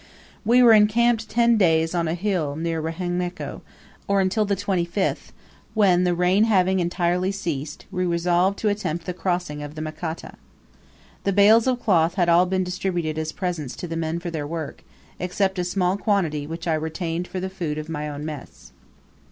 We were encamped ten days on a hill near Rehenneko, or until the 25th, when, the rain having entirely ceased, we resolved to attempt the crossing of the Makata. The bales of cloth had all been distributed as presents to the men for their work, except a small quantity which I retained for the food of my own mess.